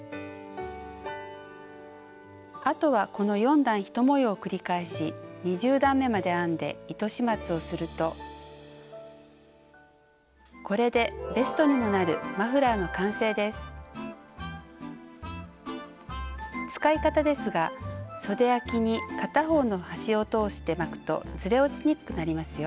あとはこの４段１模様を繰り返し２０段めまで編んで糸始末をするとこれで使い方ですがそであきに片方の端を通して巻くとずれおちにくくなりますよ。